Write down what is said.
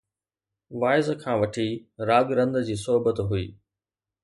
واعظ کان وٺي، راڳ رند جي صحبت هئي